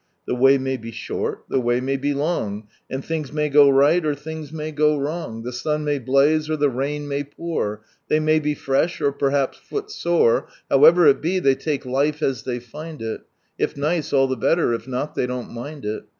The way may be short, the way may be long, And things may go right, or things may go wrong, The sun may blaze, or the rain may pour. They may lie frcih, or perhaps fool sore ; However it be, they take life as they find it. If nice, all the better, if not lliey don't mind it.